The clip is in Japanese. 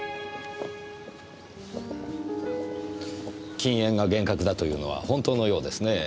禁煙が厳格だというのは本当のようですねぇ。